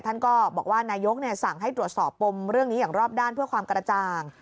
ท่านก็บอกว่านายกสั่งให้ตรวจสอบปมเรื่องนี้อย่างรอบด้านเพื่อความกระจ่าง